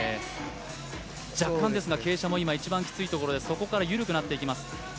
若干ですが傾斜も一番きついところでそこから緩くなっていきます。